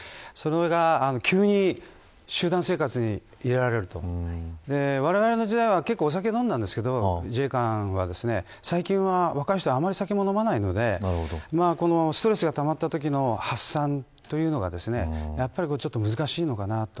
それが急に集団生活に入れられるとわれわれの時代は結構、お酒を飲んだんですが自衛官は、でも最近は若い人はあまり酒も飲まないのでストレスがたまったときの発散というのは難しいのかなと。